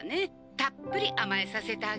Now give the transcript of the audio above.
たっぷり甘えさせてあげておくれ。